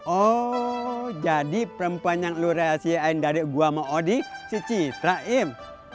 oh jadi perempuan yang lu rahasiain dari gua sama odi cici traim